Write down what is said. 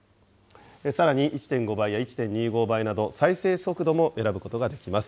さらに１．５倍や１．２５倍など再生速度も選ぶことができます。